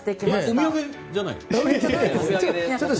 お土産じゃないの？